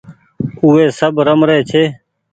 او وي سب رمري ڇي